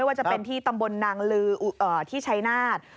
ไม่ว่าจะเป็นที่ตำบลนางฬือที่ใช้นาฏ